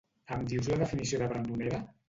Em dius la definició de brandonera?